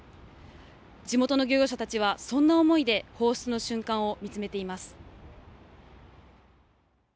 地元の漁業者たちはそんな思いで放出の瞬間を見つめています。